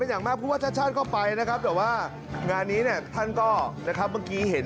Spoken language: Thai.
เห็นดดปุ๊บวุจวรรมมีเรื่องจริงไม่เอ่อ